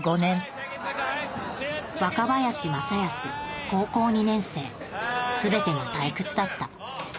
若林正恭高校２年生全てが退屈だった今日の日直？